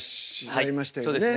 なりましたよね。